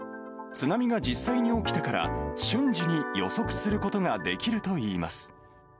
津波が実際に起きてから、瞬時に予測することができるといいます。